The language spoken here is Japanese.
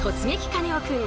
カネオくん」